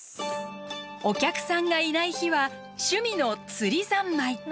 お客さんがいない日は趣味の釣りざんまい。